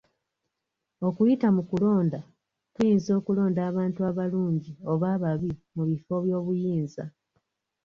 "Okuyita mu kulonda, Tuyinza okulonda abantu abalungi oba ababi mu bifo by'obuyinza."